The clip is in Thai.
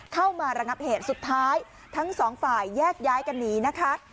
เข้ามาระงับเหตุสุดท้ายทั้งสองฝ่ายแยกย้ายกันหนีนะคะ